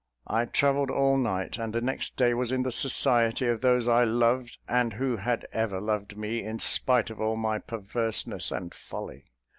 I travelled all night; and the next day was in the society of those I loved, and who had ever loved me, in spite of all my perverseness and folly.